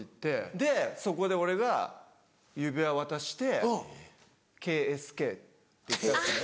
でそこで俺が指輪を渡して「ＫＳＫ」って言ったんですね。